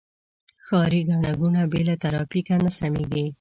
ښاري ګڼه ګوڼه بې له ترافیکه نه سمېږي.